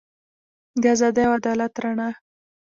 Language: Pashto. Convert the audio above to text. د ازادۍ او عدالت رڼا.